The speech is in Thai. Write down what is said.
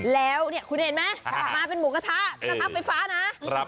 แล้วเนี่ยคุณเห็นไหมมาเป็นหมูกระทะกระทะไฟฟ้านะ